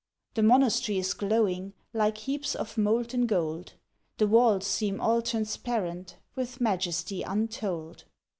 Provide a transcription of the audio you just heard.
The Monastery is glowing, Like heaps of molten gold; The walls seem all transparent, With majesty untold.